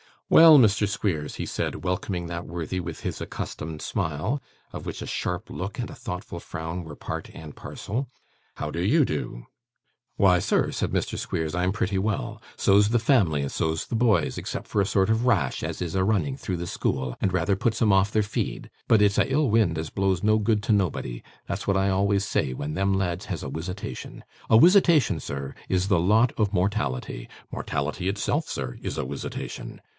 'Well, Mr. Squeers,' he said, welcoming that worthy with his accustomed smile, of which a sharp look and a thoughtful frown were part and parcel: 'how do YOU do?' 'Why, sir,' said Mr. Squeers, 'I'm pretty well. So's the family, and so's the boys, except for a sort of rash as is a running through the school, and rather puts 'em off their feed. But it's a ill wind as blows no good to nobody; that's what I always say when them lads has a wisitation. A wisitation, sir, is the lot of mortality. Mortality itself, sir, is a wisitation.